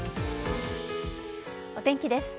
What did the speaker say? お天気です。